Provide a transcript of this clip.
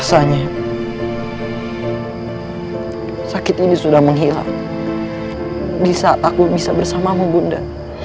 sampai jumpa di video selanjutnya